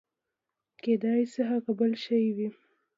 کېداى سي هغه بل شى وي.